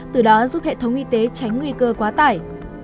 từ đó giúp hệ thống y tế tránh nguy cơ quá tải